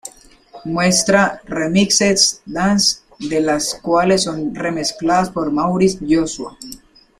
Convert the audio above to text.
Muestra "remixes" "dance" de las cuales son remezcladas por Maurice Joshua.